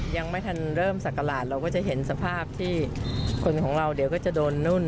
ยังไม่ทันเริ่มศักราชเราก็จะเห็นสภาพที่คนของเราเดี๋ยวก็จะโดนนู่น